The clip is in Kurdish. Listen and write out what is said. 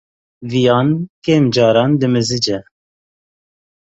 Viyan kêm caran dimizice.